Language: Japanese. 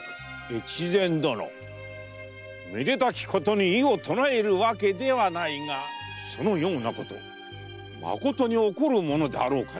越前殿めでたきことに異を唱えるわけではないがそのようなことまことに起こるものであろうかの？